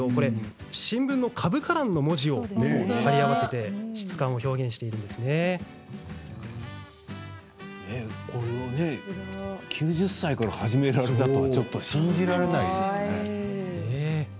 新聞の株価欄の文字を貼り合わせて９０歳から始められたとは信じられないですね。